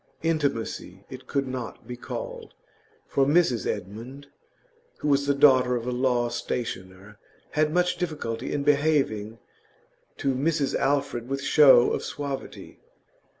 Intimacy it could not be called, for Mrs Edmund (who was the daughter of a law stationer) had much difficulty in behaving to Mrs Alfred with show of suavity.